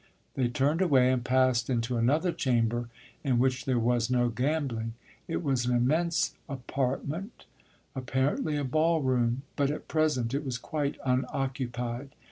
They turned away and passed into another chamber, in which there was no gambling. It was an immense apartment, apparently a ball room; but at present it was quite unoccupied.